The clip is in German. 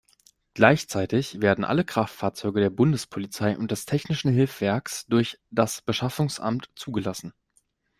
Gleichzeitig werden alle Kraftfahrzeuge der Bundespolizei und des Technischen Hilfswerks durch das Beschaffungsamt zugelassen.